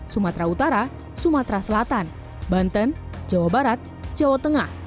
sumatera utara sumatera selatan banten jawa barat jawa tengah